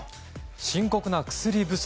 深刻な薬不足。